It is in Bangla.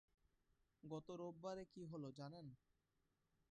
গত রোববারে কী হলো, জানেন?